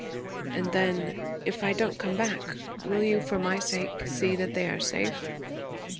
And, then, if I don't come back, will you, for my sake, see that they are safe?'